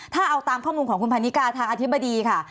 ถ้าเอาตามข้อมูลของคุณพันนิกาทางอธิบดีค่ะ